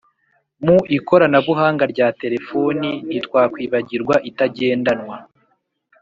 mu ikorana buhanga rya terefoni ntitwakwibagirwa itagendanwa,